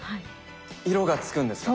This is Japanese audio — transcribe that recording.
色がつくんですか？